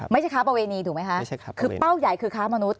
ค้าประเวณีถูกไหมคะคือเป้าใหญ่คือค้ามนุษย